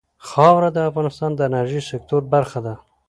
خاوره د افغانستان د انرژۍ سکتور برخه ده.